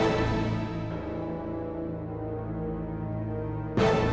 kalau saja saya bisa bertemu dengan ahmad